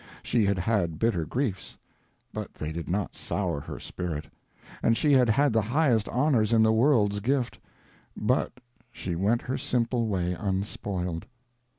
She had had bitter griefs, but they did not sour her spirit, and she had had the highest honors in the world's gift, but she went her simple way unspoiled.